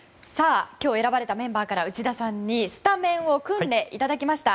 今日、選ばれたメンバーの中から内田さんにスタメンを組んでもらいました。